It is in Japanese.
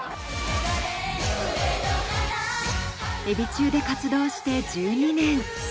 エビ中で活動して１２年。